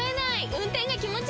運転が気持ちいい！